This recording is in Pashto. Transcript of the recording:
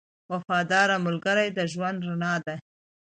• وفادار ملګری د ژوند رڼا ده.